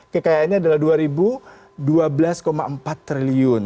kekayaannya adalah dua dua belas empat triliun